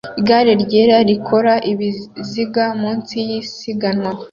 Igare ryera rikora ibiziga munsi yisiganwa